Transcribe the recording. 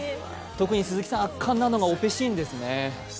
特に鈴木さん、圧巻なのがオペシーンですね。